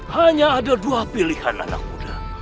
hanya ada dua pilihan anak muda